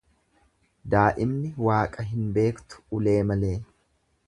Daa'imni Waaqa hin beektu ulee malee.